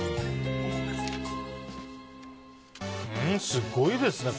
すごいですね。